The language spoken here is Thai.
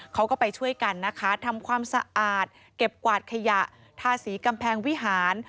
เขาก็ไปช่วยกันนะคะทำความสะอาดเก็บกวาดขยะทาสีกำแพงวิหาร